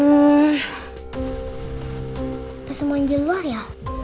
ah semuanya di luar ya